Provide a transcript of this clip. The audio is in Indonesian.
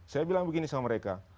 saya bilang begini sama mereka